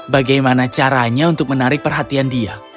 bagaimana caranya untuk menarik perhatian dia